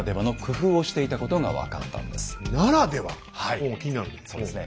おお気になるね。